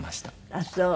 あっそう。